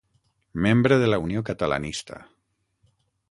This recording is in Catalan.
Membre de la Unió Catalanista.